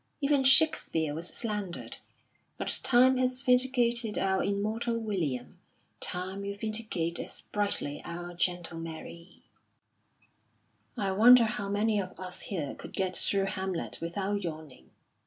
Even Shakespeare was slandered. But time has vindicated our immortal William; time will vindicate as brightly our gentle Marie." "I wonder how many of us here could get through Hamlet without yawning!"